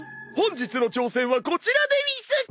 本日の挑戦はこちらでうぃす！